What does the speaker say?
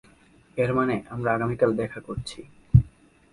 এর মানে আমরা আগামীকাল দেখা করছি।